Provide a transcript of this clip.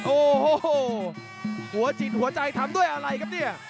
โอ้โหหัวจิตหัวใจทำด้วยอะไรครับเนี่ย